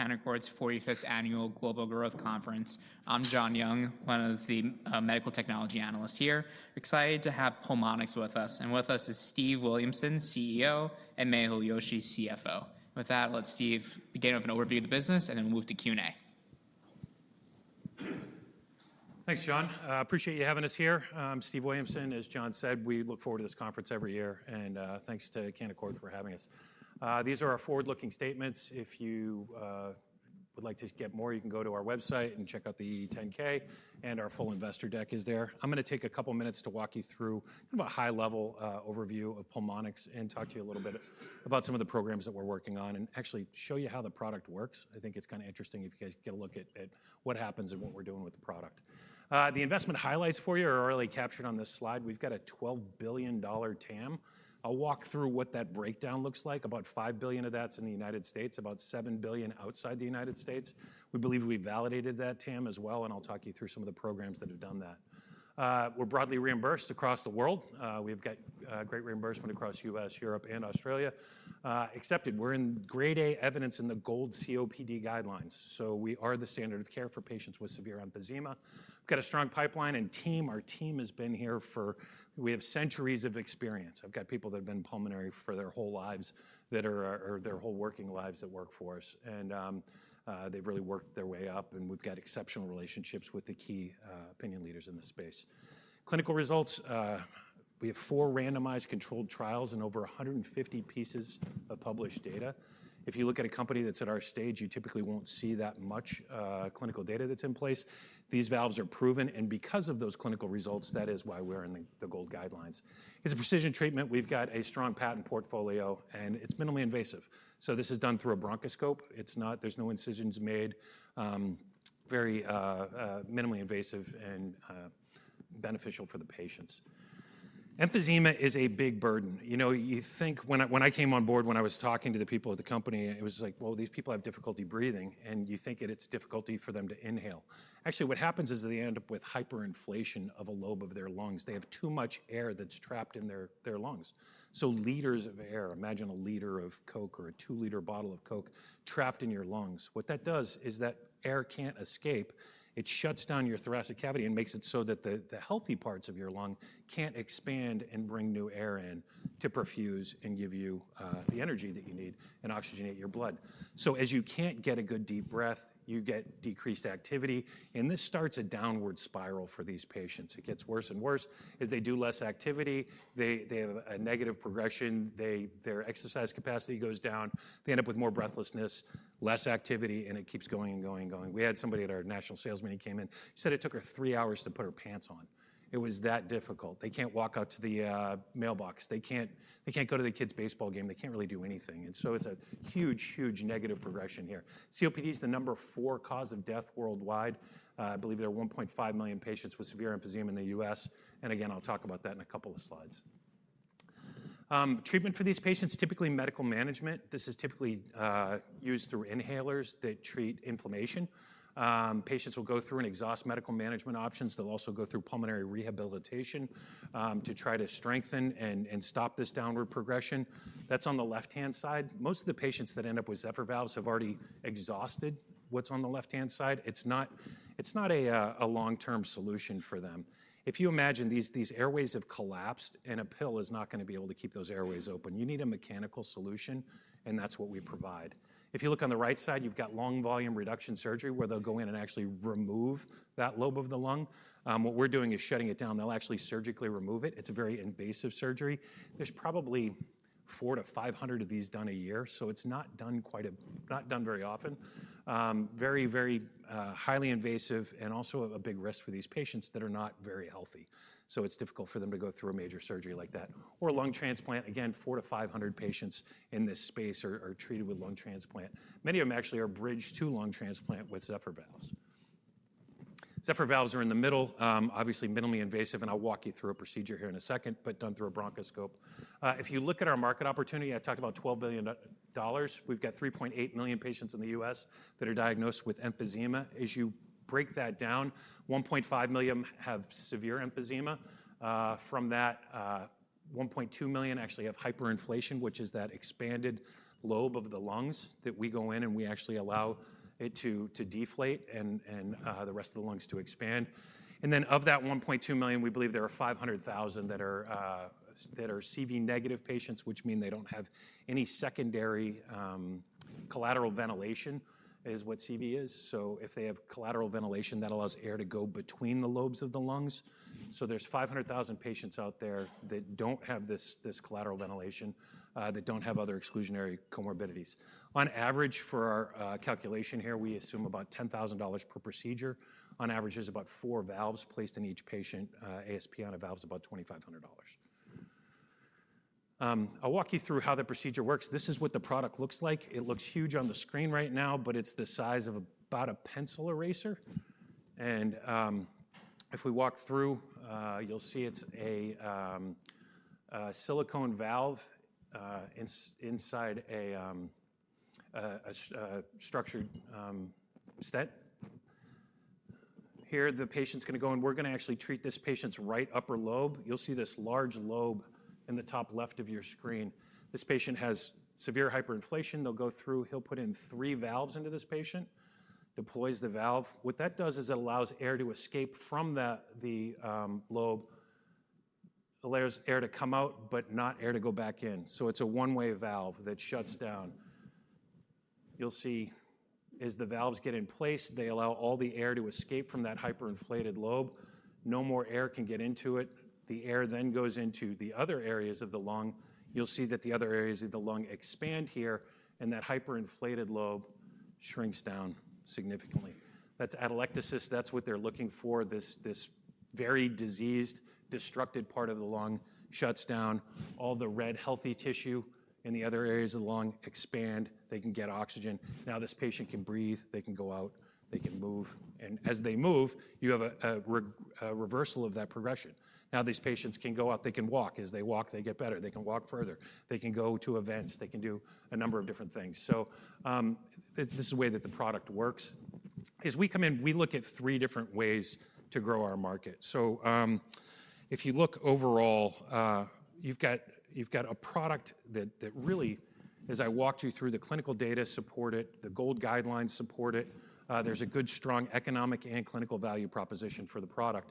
Canaccord's 45th Annual Global Growth Conference. I'm John Young, one of the medical technology analysts here. Excited to have Pulmonx with us. With us is Steve Williamson, CEO, and Mehul Joshi, CFO. With that, let's give a bit of an overview of the business and then move to Q&A. Thanks, John. Appreciate you having us here. I'm Steve Williamson. As John said, we look forward to this conference every year. Thanks to Canaccord for having us. These are our forward-looking statements. If you would like to get more, you can go to our website and check out the 10-K. Our full investor deck is there. I'm going to take a couple of minutes to walk you through a high-level overview of Pulmonx and talk to you a little bit about some of the programs that we're working on and actually show you how the product works. I think it's kind of interesting if you guys get a look at what happens and what we're doing with the product. The investment highlights for you are already captured on this slide. We've got a $12 billion TAM. I'll walk through what that breakdown looks like. About $5 billion of that's in the United States, about $7 billion outside the United States. We believe we validated that TAM as well. I'll talk you through some of the programs that have done that. We're broadly reimbursed across the world. We've got great reimbursement across the U.S., Europe, and Australia. Accepted, we're in Grade A evidence in the GOLD COPD guidelines. We are the standard of care for patients with severe emphysema. We've got a strong pipeline and team. Our team has been here for we have centuries of experience. I've got people that have been pulmonary for their whole lives, their whole working lives at work for us. They've really worked their way up. We've got exceptional relationships with the key opinion leaders in this space. Clinical results, we have four randomized controlled trials and over 150 pieces of published data. If you look at a company that's at our stage, you typically won't see that much clinical data that's in place. These valves are proven. Because of those clinical results, that is why we're in the GOLD guidelines. It's a precision treatment. We've got a strong patent portfolio. It's minimally invasive. This is done through a bronchoscope. There's no incisions made, very minimally invasive and beneficial for the patients. Emphysema is a big burden. You know, you think when I came on board, when I was talking to the people at the company, it was like, these people have difficulty breathing. You think it's difficulty for them to inhale. Actually, what happens is they end up with hyperinflation of a lobe of their lungs. They have too much air that's trapped in their lungs. So liters of air, imagine a liter of Coke or a two-liter bottle of Coke trapped in your lungs. What that does is that air can't escape. It shuts down your thoracic cavity and makes it so that the healthy parts of your lung can't expand and bring new air in to perfuse and give you the energy that you need and oxygenate your blood. As you can't get a good deep breath, you get decreased activity. This starts a downward spiral for these patients. It gets worse and worse. As they do less activity, they have a negative progression. Their exercise capacity goes down. They end up with more breathlessness, less activity, and it keeps going and going and going. We had somebody at our national sales meeting come in. She said it took her three hours to put her pants on. It was that difficult. They can't walk out to the mailbox. They can't go to the kids' baseball game. They can't really do anything. It is a huge, huge negative progression here. COPD is the number four cause of death worldwide. I believe there are 1.5 million patients with severe emphysema in the U.S. Again, I'll talk about that in a couple of slides. Treatment for these patients is typically medical management. This is typically used through inhalers that treat inflammation. Patients will go through and exhaust medical management options. They'll also go through pulmonary rehabilitation to try to strengthen and stop this downward progression. That's on the left-hand side. Most of the patients that end up with Zephyr Valves have already exhausted what's on the left-hand side. It's not a long-term solution for them. If you imagine these airways have collapsed, and a pill is not going to be able to keep those airways open, you need a mechanical solution. That's what we provide. If you look on the right side, you've got lung volume reduction surgery where they'll go in and actually remove that lobe of the lung. What we're doing is shutting it down. They'll actually surgically remove it. It's a very invasive surgery. There are probably 400-500 of these done a year. It is not done very often. Very, very highly invasive and also a big risk for these patients that are not very healthy. It is difficult for them to go through a major surgery like that. Lung transplant, again, 400-500 patients in this space are treated with lung transplant. Many of them actually are bridge to lung transplant with Zephyr Valves. Zephyr Valves are in the middle, obviously minimally invasive. I'll walk you through a procedure here in a second, done through a bronchoscope. If you look at our market opportunity, I talked about $12 billion. We've got 3.8 million patients in the U.S. that are diagnosed with emphysema. As you break that down, 1.5 million have severe emphysema. From that, 1.2 million actually have hyperinflation, which is that expanded lobe of the lungs that we go in and we actually allow it to deflate and the rest of the lungs to expand. Of that 1.2 million, we believe there are 500,000 that are CV negative patients, which means they don't have any secondary collateral ventilation, which is what CV is. If they have collateral ventilation, that allows air to go between the lobes of the lungs. There are 500,000 patients out there that don't have this collateral ventilation, that don't have other exclusionary comorbidities. On average, for our calculation here, we assume about $10,000 per procedure. On average, there's about four valves placed in each patient. ASP on a valve is about $2,500. I'll walk you through how the procedure works. This is what the product looks like. It looks huge on the screen right now, but it's the size of about a pencil eraser. If we walk through, you'll see it's a silicone valve inside a structured set. Here, the patient's going to go, and we're going to actually treat this patient's right upper lobe. You'll see this large lobe in the top left of your screen. This patient has severe hyperinflation. They'll go through. He'll put in three valves into this patient, deploys the valve. What that does is it allows air to escape from the lobe, allows air to come out, but not air to go back in. It's a one-way valve that shuts down. You'll see as the valves get in place, they allow all the air to escape from that hyperinflated lobe. No more air can get into it. The air then goes into the other areas of the lung. You'll see that the other areas of the lung expand here, and that hyperinflated lobe shrinks down significantly. That's atelectasis. That's what they're looking for. This very diseased, disrupted part of the lung shuts down. All the red healthy tissue in the other areas of the lung expand. They can get oxygen. Now this patient can breathe. They can go out. They can move. As they move, you have a reversal of that progression. Now these patients can go out. They can walk. As they walk, they get better. They can walk further. They can go to events. They can do a number of different things. This is the way that the product works. As we come in, we look at three different ways to grow our market. If you look overall, you've got a product that really, as I walked you through, the clinical data support it. The GOLD guidelines support it. There's a good, strong economic and clinical value proposition for the product.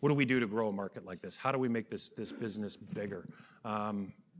What do we do to grow a market like this? How do we make this business bigger?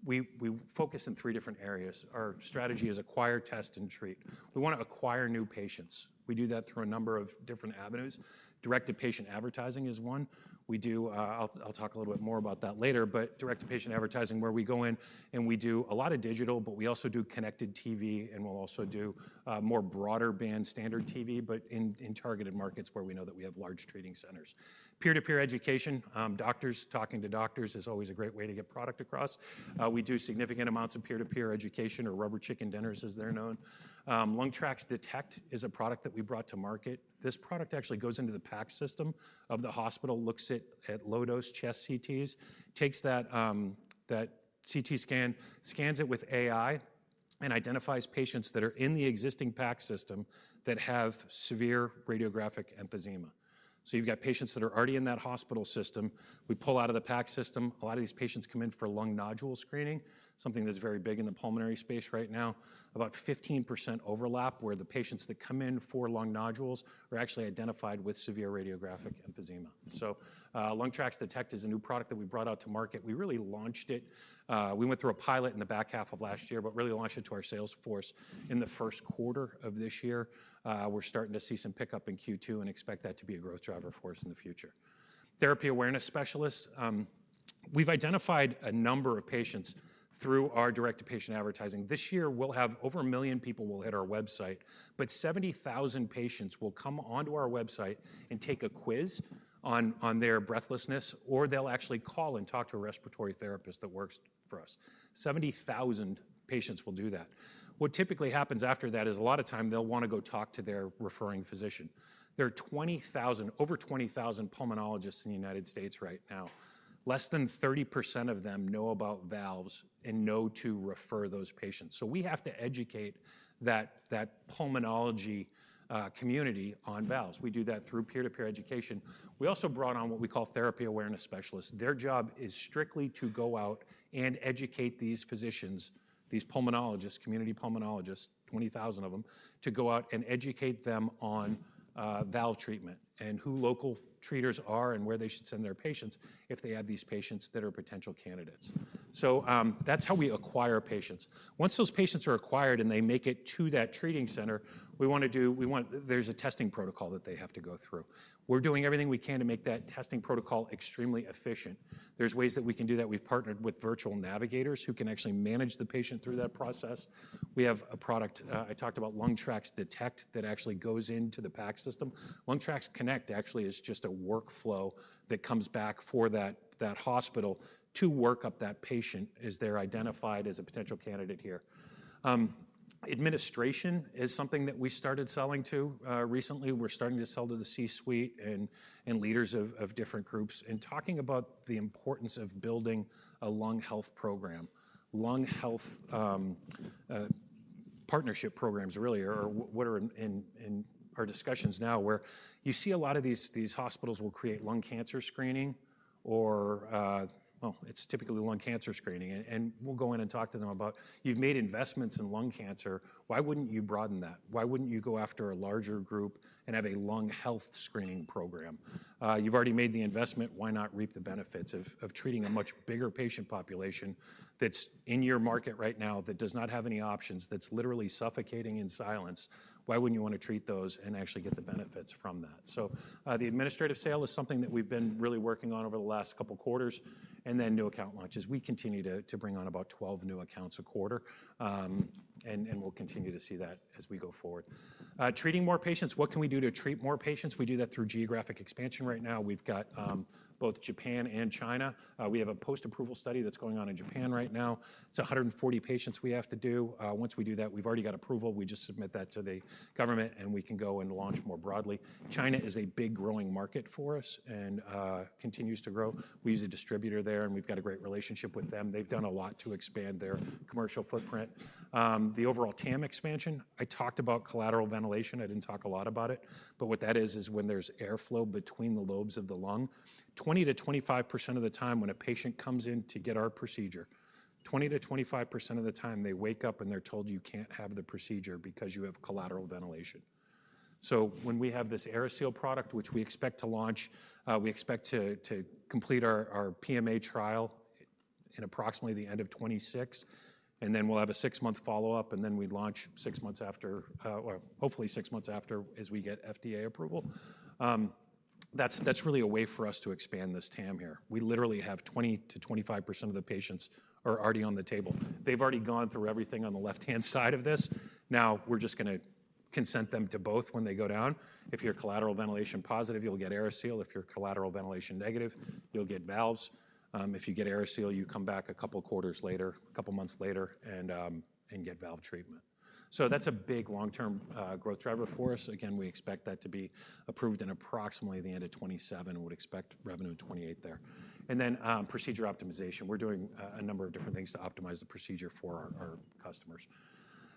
We focus in three different areas. Our strategy is acquire, test, and treat. We want to acquire new patients. We do that through a number of different avenues. Direct-to-patient advertising is one. I'll talk a little bit more about that later. Direct-to-patient advertising where we go in and we do a lot of digital, but we also do connected TV. We'll also do more broader standard TV, but in targeted markets where we know that we have large treating centers. Peer-to-peer education, doctors talking to doctors, is always a great way to get product across. We do significant amounts of peer-to-peer education, or rubber chicken dinners, as they're known. LungTraX Detect is a product that we brought to market. This product actually goes into the PACS system of the hospital, looks at low-dose chest CTs, takes that CT scan, scans it with AI, and identifies patients that are in the existing PACS system that have severe radiographic emphysema. You've got patients that are already in that hospital system. We pull out of the PACS system. A lot of these patients come in for lung nodule screening, something that's very big in the pulmonary space right now. About 15% overlap where the patients that come in for lung nodules are actually identified with severe radiographic emphysema. LungTraX Detect is a new product that we brought out to market. We really launched it. We went through a pilot in the back half of last year, but really launched it to our sales force in the first quarter of this year. We're starting to see some pickup in Q2 and expect that to be a growth driver for us in the future. Therapy awareness specialists, we've identified a number of patients through our direct-to-patient advertising. This year, we'll have over 1 million people who will hit our website. 70,000 patients will come onto our website and take a quiz on their breathlessness, or they'll actually call and talk to a respiratory therapist that works for us. 70,000 patients will do that. What typically happens after that is a lot of time, they'll want to go talk to their referring physician. There are over 20,000 pulmonologists in the United States right now. Less than 30% of them know about valves and know to refer those patients. We have to educate that pulmonology community on valves. We do that through peer-to-peer education. We also brought on what we call Therapy Awareness Specialists. Their job is strictly to go out and educate these physicians, these pulmonologists, community pulmonologists, 20,000 of them, to go out and educate them on valve treatment and who local treaters are and where they should send their patients if they have these patients that are potential candidates. That's how we acquire patients. Once those patients are acquired and they make it to that treating center, there's a testing protocol that they have to go through. We're doing everything we can to make that testing protocol extremely efficient. There are ways that we can do that. We've partnered with virtual navigators who can actually manage the patient through that process. We have a product I talked about, LungTraX Detect, that actually goes into the PACS system. LungTraX Connect actually is just a workflow that comes back for that hospital to work up that patient as they're identified as a potential candidate here. Administration is something that we started selling to recently. We're starting to sell to the C-suite and leaders of different groups and talking about the importance of building a lung health program. Lung health partnership programs really are what are in our discussions now where you see a lot of these hospitals will create lung cancer screening. We go in and talk to them about, you've made investments in lung cancer. Why wouldn't you broaden that? Why wouldn't you go after a larger group and have a lung health screening program? You've already made the investment. Why not reap the benefits of treating a much bigger patient population that's in your market right now that does not have any options, that's literally suffocating in silence? Why wouldn't you want to treat those and actually get the benefits from that? The administrative sale is something that we've been really working on over the last couple of quarters. New account launches continue. We continue to bring on about 12 new accounts a quarter and we'll continue to see that as we go forward. Treating more patients, what can we do to treat more patients? We do that through geographic expansion right now. We've got both Japan and China. We have a post-approval study that's going on in Japan right now. It's 140 patients we have to do. Once we do that, we've already got approval. We just submit that to the government, and we can go and launch more broadly. China is a big growing market for us and continues to grow. We use a distributor there, and we've got a great relationship with them. They've done a lot to expand their commercial footprint. The overall TAM expansion, I talked about collateral ventilation. I didn't talk a lot about it. What that is, is when there's airflow between the lobes of the lung, 20%-25% of the time when a patient comes in to get our procedure, 20%-25% of the time they wake up and they're told you can't have the procedure because you have collateral ventilation. When we have this AeriSeal product, which we expect to launch, we expect to complete our PMA trial in approximately the end of 2026. We'll have a six-month follow-up, and we launch six months after, hopefully six months after as we get FDA approval. That's really a way for us to expand this TAM here. We literally have 20%-25% of the patients already on the table. They've already gone through everything on the left-hand side of this. Now we're just going to consent them to both when they go down. If you're collateral ventilation positive, you'll get AeriSeal. If you're collateral ventilation negative, you'll get valves. If you get AeriSeal, you come back a couple of quarters later, a couple of months later, and get valve treatment. That's a big long-term growth driver for us. We expect that to be approved in approximately the end of 2027. We would expect revenue in 2028 there. Then procedure optimization. We're doing a number of different things to optimize the procedure for our customers.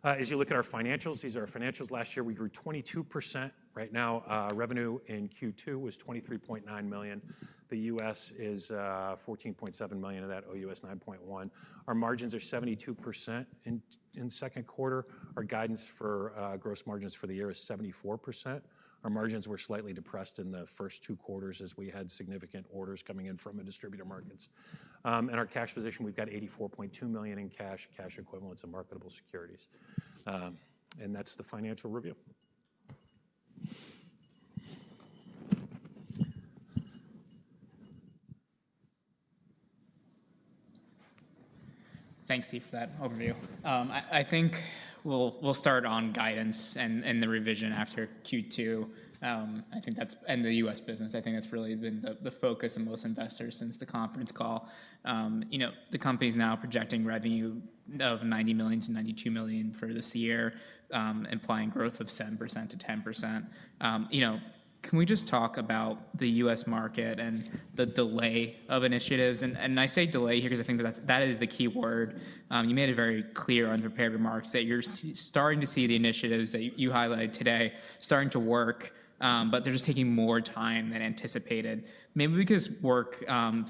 As you look at our financials, these are our financials. Last year, we grew 22%. Right now, revenue in Q2 was $23.9 million. The U.S. is $14.7 million, and that OUS is $9.1 million. Our margins are 72% in the second quarter. Our guidance for gross margins for the year is 74%. Our margins were slightly depressed in the first two quarters as we had significant orders coming in from the distributor markets. Our cash position, we've got $84.2 million in cash, cash equivalents of marketable securities. That's the financial review. Thanks, Steve, for that overview. I think we'll start on guidance and the revision after Q2. I think that's in the U.S. business. I think that's really been the focus of most investors since the conference call. The company is now projecting revenue of $90 million to $92 million for this year, implying growth of 7%-10%. Can we just talk about the U.S. market and the delay of initiatives? I say delay here because I think that that is the key word. You made a very clear unprepared remarks that you're starting to see the initiatives that you highlighted today starting to work, but they're just taking more time than anticipated. Maybe we could work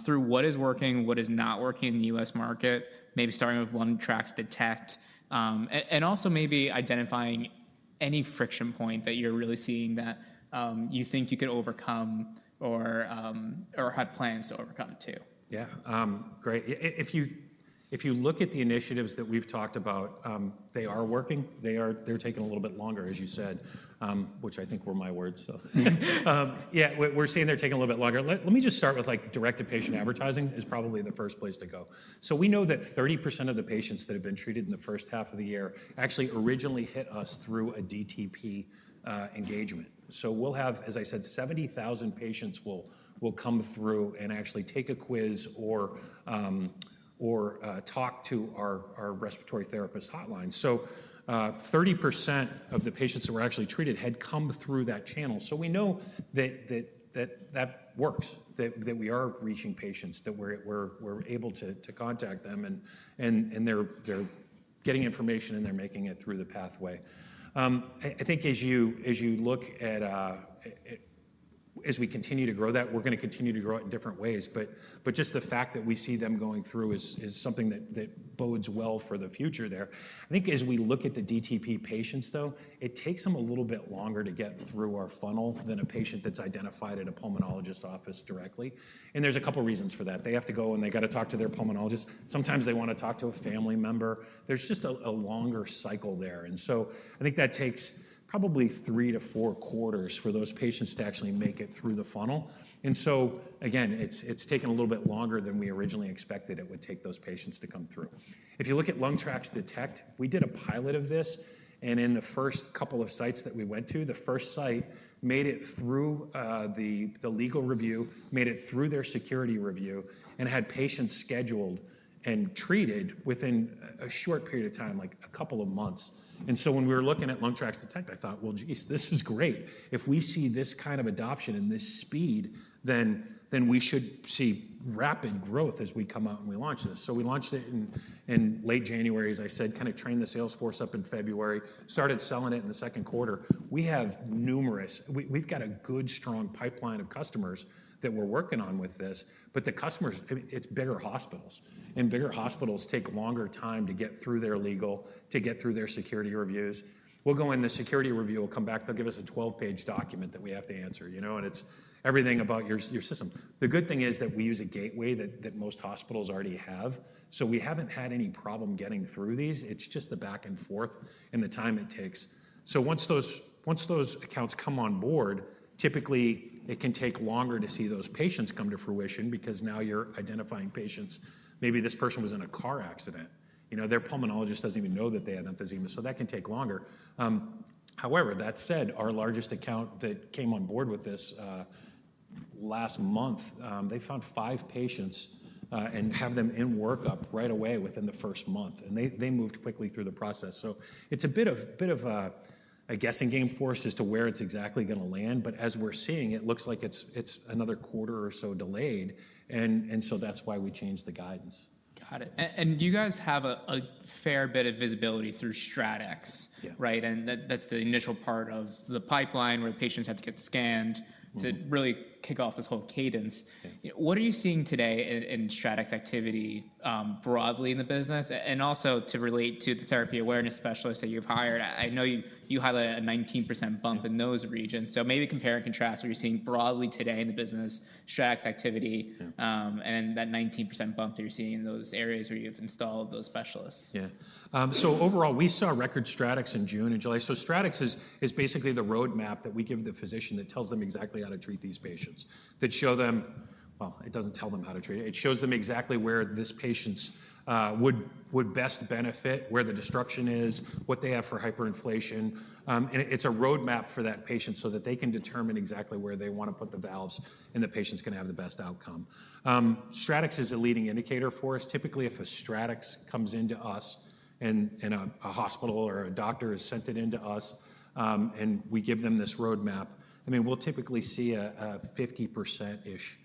through what is working, what is not working in the U.S. market, maybe starting with LungTraX Detect, and also maybe identifying any friction point that you're really seeing that you think you could overcome or had plans to overcome too. Yeah, great. If you look at the initiatives that we've talked about, they are working. They're taking a little bit longer, as you said, which I think were my words. Yeah, we're seeing they're taking a little bit longer. Let me just start with direct-to-patient advertising is probably the first place to go. We know that 30% of the patients that have been treated in the first half of the year actually originally hit us through a DTP engagement. We'll have, as I said, 70,000 patients will come through and actually take a quiz or talk to our respiratory therapist hotline. 30% of the patients that were actually treated had come through that channel. We know that that works, that we are reaching patients, that we're able to contact them. They're getting information, and they're making it through the pathway. I think as you look at, as we continue to grow that, we're going to continue to grow it in different ways. Just the fact that we see them going through is something that bodes well for the future there. I think as we look at the DTP patients, though, it takes them a little bit longer to get through our funnel than a patient that's identified at a pulmonologist's office directly. There's a couple of reasons for that. They have to go, and they got to talk to their pulmonologist. Sometimes they want to talk to a family member. There's just a longer cycle there. I think that takes probably three to four quarters for those patients to actually make it through the funnel. Again, it's taken a little bit longer than we originally expected it would take those patients to come through. If you look at LungTraX Detect, we did a pilot of this. In the first couple of sites that we went to, the first site made it through the legal review, made it through their security review, and had patients scheduled and treated within a short period of time, like a couple of months. When we were looking at LungTraX Detect, I thought, jeez, this is great. If we see this kind of adoption and this speed, then we should see rapid growth as we come out and we launch this. We launched it in late January, as I said, kind of trained the sales force up in February, started selling it in the second quarter. We've got a good, strong pipeline of customers that we're working on with this. The customers, it's bigger hospitals. Bigger hospitals take longer time to get through their legal, to get through their security reviews. We'll go in, the security review will come back. They'll give us a 12-page document that we have to answer. You know, and it's everything about your system. The good thing is that we use a gateway that most hospitals already have. We haven't had any problem getting through these. It's just the back and forth and the time it takes. Once those accounts come on board, typically it can take longer to see those patients come to fruition because now you're identifying patients. Maybe this person was in a car accident. You know, their pulmonologist doesn't even know that they had emphysema. That can take longer. However, that said, our largest account that came on board with this last month found five patients and have them in workup right away within the first month. They moved quickly through the process. It's a bit of a guessing game for us as to where it's exactly going to land. As we're seeing, it looks like it's another quarter or so delayed. That's why we changed the guidance. Got it. You guys have a fair bit of visibility through StratX, right? That's the initial part of the pipeline where patients have to get scanned to really kick off this whole cadence. What are you seeing today in StratX activity broadly in the business? Also, to relate to the therapy awareness specialists that you've hired, I know you highlighted a 19% bump in those regions. Maybe compare and contrast what you're seeing broadly today in the business, StratX activity, and then that 19% bump that you're seeing in those areas where you've installed those specialists. Yeah. Overall, we saw record StratX in June and July. StratX is basically the roadmap that we give the physician that tells them exactly how to treat these patients, that shows them, well, it doesn't tell them how to treat it. It shows them exactly where this patient would best benefit, where the destruction is, what they have for hyperinflation. It's a roadmap for that patient so that they can determine exactly where they want to put the valves, and the patient's going to have the best outcome. StratX is a leading indicator for us. Typically, if a StratX comes into us and a hospital or a doctor has sent it into us, and we give them this roadmap, we'll typically see a 50%-ish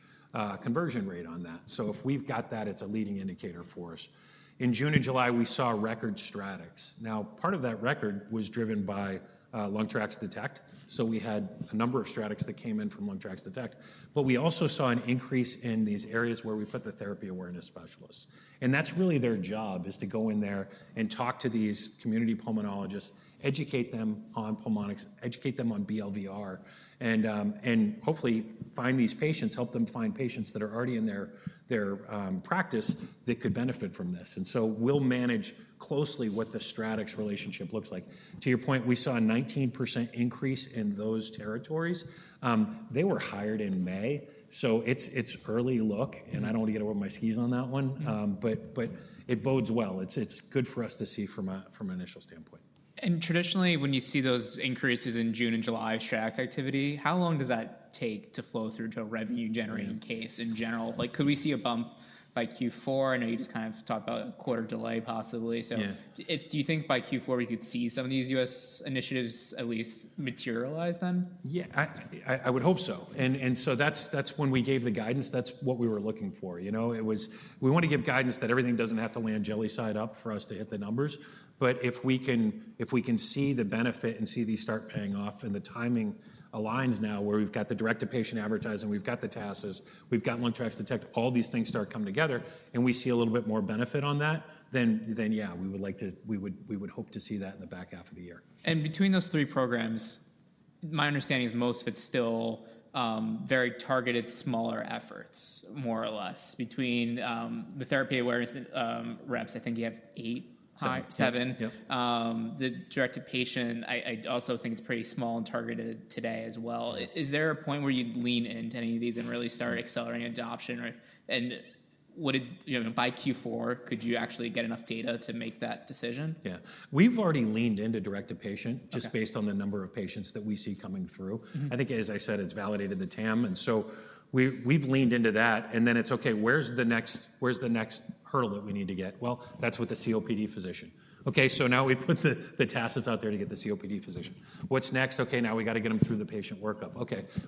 conversion rate on that. If we've got that, it's a leading indicator for us. In June and July, we saw record StratX. Part of that record was driven by LungTraX Detect. We had a number of StratX that came in from LungTraX Detect. We also saw an increase in these areas where we put the therapy awareness specialists. That's really their job, to go in there and talk to these community pulmonologists, educate them on Pulmonx, educate them on BLVR, and hopefully find these patients, help them find patients that are already in their practice that could benefit from this. We'll manage closely what the StratX relationship looks like. To your point, we saw a 19% increase in those territories. They were hired in May. It's early look. I don't want to get over my skis on that one. It bodes well. It's good for us to see from an initial standpoint. Traditionally, when you see those increases in June and July StratX activity, how long does that take to flow through to a revenue-generating case in general? Could we see a bump by Q4? I know you just talked about a quarter delay possibly. Do you think by Q4 we could see some of these U.S. initiatives at least materialize then? I would hope so. That's when we gave the guidance. That's what we were looking for. We want to give guidance that everything doesn't have to land jelly-side up for us to hit the numbers. If we can see the benefit and see these start paying off and the timing aligns now where we've got the direct-to-patient advertising, we've got the TASes, we've got LungTraX Detect, all these things start coming together and we see a little bit more benefit on that, then yeah, we would like to, we would hope to see that in the back half of the year. Between those three programs, my understanding is most of it's still very targeted, smaller efforts, more or less. Between the therapy awareness reps, I think you have eight, seven. The direct-to-patient, I also think it's pretty small and targeted today as well. Is there a point where you'd lean into any of these and really start accelerating adoption? By Q4, could you actually get enough data to make that decision? Yeah, we've already leaned into direct-to-patient just based on the number of patients that we see coming through. I think, as I said, it's validated the TAM, and so we've leaned into that. The next hurdle that we need to get is with the COPD physician. Now we put the TASes out there to get the COPD physician. What's next? Now we got to get them through the patient workup.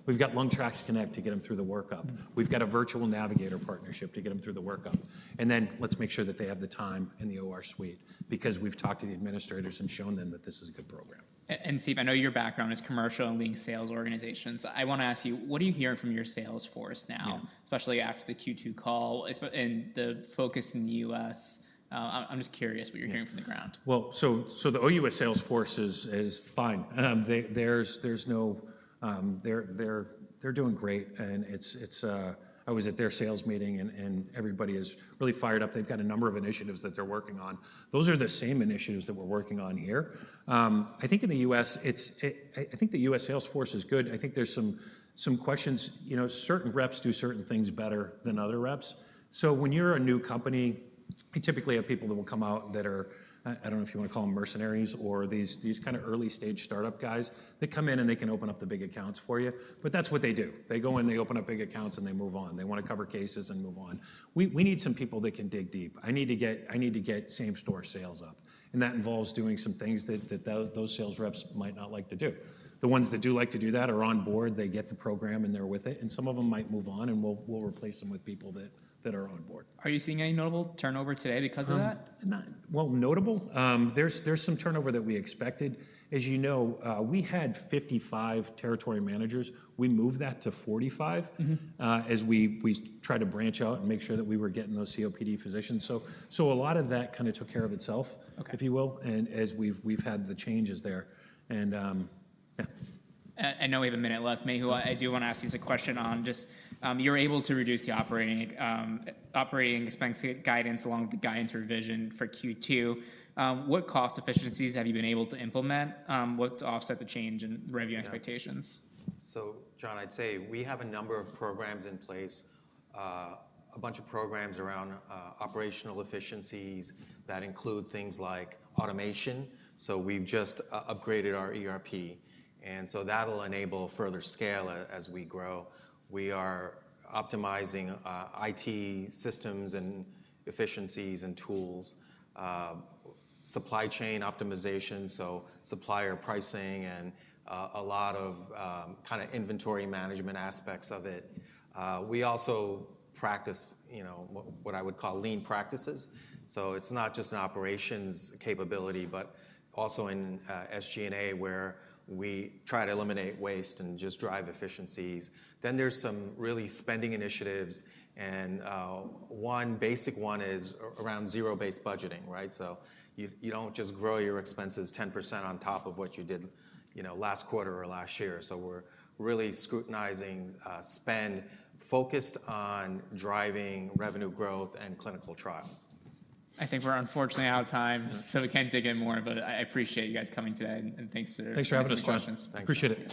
We've got LungTraX Connect to get them through the workup. We've got a virtual navigator partnership to get them through the workup. Let's make sure that they have the time in the OR suite because we've talked to the administrators and shown them that this is a good program. Steve, I know your background is commercial and leading sales organizations. I want to ask you, what are you hearing from your sales force now, especially after the Q2 call and the focus in the U.S.? I'm just curious what you're hearing from the ground. The OUS sales force is fine. There's no, they're doing great. I was at their sales meeting, and everybody is really fired up. They've got a number of initiatives that they're working on. Those are the same initiatives that we're working on here. I think in the U.S., I think the U.S. sales force is good. I think there's some questions. You know, certain reps do certain things better than other reps. When you're a new company, you typically have people that will come out that are, I don't know if you want to call them mercenaries or these kind of early-stage startup guys. They come in and they can open up the big accounts for you. That's what they do. They go in, they open up big accounts, and they move on. They want to cover cases and move on. We need some people that can dig deep. I need to get same-store sales up, and that involves doing some things that those sales reps might not like to do. The ones that do like to do that are on board. They get the program and they're with it. Some of them might move on, and we'll replace them with people that are on board. Are you seeing any notable turnover today because of that? Notable, there's some turnover that we expected. As you know, we had 55 territory managers. We moved that to 45 as we tried to branch out and make sure that we were getting those COPD physicians. A lot of that kind of took care of itself, if you will, as we've had the changes there. I know we have a minute left. Mehul, I do want to ask you a question on just you're able to reduce the operating expense guidance along with the guidance revision for Q2. What cost efficiencies have you been able to implement? What to offset the change in revenue expectations? John, I'd say we have a number of programs in place, a bunch of programs around operational efficiencies that include things like automation. We've just upgraded our ERP, and that'll enable further scale as we grow. We are optimizing IT systems and efficiencies and tools, supply chain optimization, so supplier pricing and a lot of kind of inventory management aspects of it. We also practice what I would call lean practices. It's not just an operations capability, but also in SG&A where we try to eliminate waste and just drive efficiencies. There are some really spending initiatives, and one basic one is around zero-based budgeting, right? You don't just grow your expenses 10% on top of what you did last quarter or last year. We're really scrutinizing spend focused on driving revenue growth and clinical trials. I think we're unfortunately out of time. We can't dig in more. I appreciate you guys coming today, and thanks for the conference. Thanks for having us, John. Appreciate it.